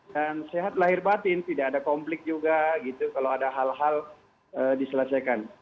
dan sehat lahir batin tidak ada konflik juga gitu kalau ada hal hal diselesaikan